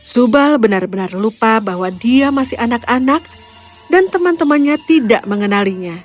subal benar benar lupa bahwa dia masih anak anak dan teman temannya tidak mengenalinya